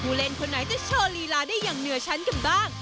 เล่นคนไหนจะโชว์ลีลาได้อย่างเหนือชั้นกันบ้าง